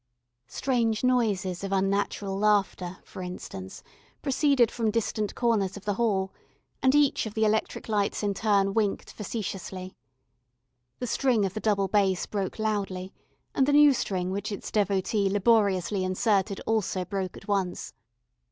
Strange noises of unnatural laughter, for instance, proceeded from distant corners of the hall, and each of the electric lights in turn winked facetiously. The string of the double bass broke loudly, and the new string which its devotee laboriously inserted also broke at once.